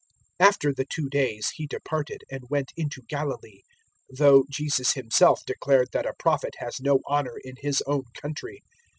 004:043 After the two days He departed, and went into Galilee; 004:044 though Jesus Himself declared that a Prophet has no honour in his own country.